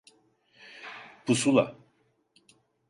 Pusula.